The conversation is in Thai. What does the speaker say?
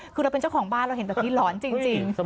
คือเราเป็นเจ้าของบ้านเราเห็นแบบนี้หลอนจริง